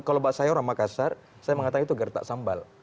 kalau mbak saya orang makassar saya mengatakan itu gertak sambal